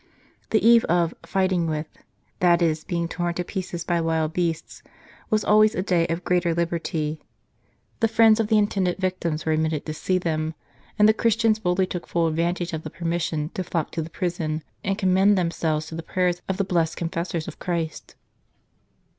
The eve of " fighting with," that is being torn to pieces by, wild beasts, was always a day of greater liberty. The friends of the intended victims were admitted to see them ; and the Christians boldly took full advantage of the permis sion to flock to the prison, and commend themselves to the prayers of the blessed confessors of Christ.